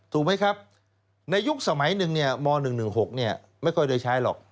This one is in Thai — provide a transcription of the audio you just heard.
ถูกไหมครับในยุคสมัยหนึ่งม๑๑๖ไม่ค่อยได้ใช้หรอก